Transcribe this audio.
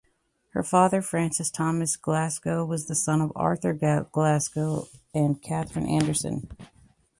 Her father, Francis Thomas Glasgow, was the son of Arthur Glasgow and Catherine Anderson.